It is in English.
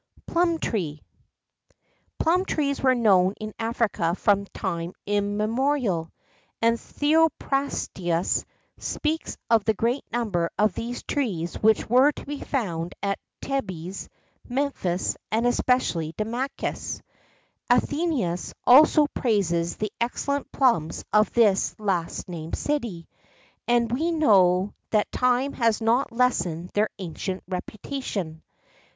[XII 70] PLUM TREE. Plum trees were known in Africa from time immemorial; and Theophrastus speaks of the great number of these trees which were to be found at Thebes, Memphis, and especially at Damascus.[XII 71] Athenæus, also, praises the excellent plums of this last named city;[XII 72] and we know that time has not lessened their ancient reputation.